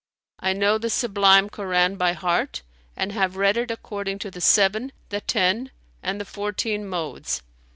I know the Sublime Koran by heart and have read it according to the seven, the ten and the fourteen modes.